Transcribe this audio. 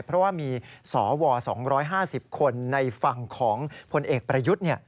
เพราะว่ามีสว๒๕๐คนในฝั่งของพลเอกประยุทธ์